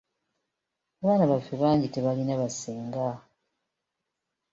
Abaana baffe bangi tebalina ba Ssenga.